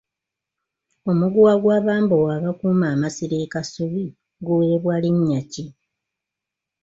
Omuguwa gw'abambowa abakuuma amasiro e Kasubi guweebwa linnya ki?